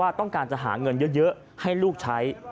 ต้องการจะหาเงินเยอะให้ลูกใช้